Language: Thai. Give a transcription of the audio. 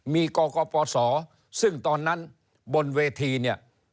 มีกกปศซึ่งตอนนั้นบนเวทีเนี่ย